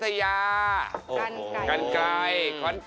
เสาคำยันอาวุธิ